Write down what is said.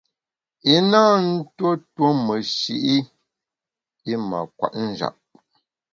I na ntuo tuo meshi’ i mâ kwet njap.